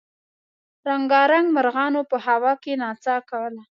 رنګارنګ مرغانو په هوا کې نڅا کوله.